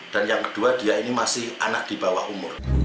dan yang kedua dia ini masih anak di bawah umur